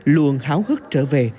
luôn háo hức trở về